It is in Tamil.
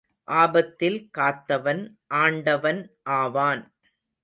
ஆபத்தில் காத்தவன் ஆண்டவன் ஆவான்.